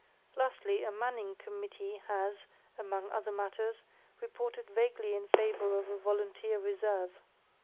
Lastly, a Manning Committee has (among other matters) reported vaguely in favour of a Volunteer Reserve.